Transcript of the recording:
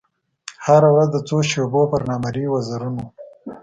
هره ورځ د څو شېبو پر نامریي وزرونو